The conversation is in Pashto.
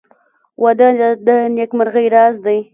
• واده د نېکمرغۍ راز دی.